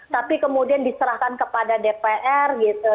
tapi kemudian diserahkan kepada dpr gitu